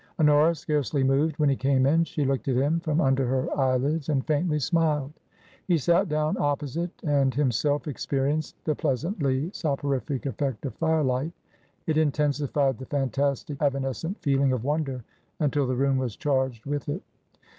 Honora scarcely moved when he came in ; she looked at him from under her eyelids and faintly smiled. He sat down opposite and himself experienced the pleasantly soporific effect of firelight. It intensified the fantastic evanescent feeling of wonder until the room was charged with it.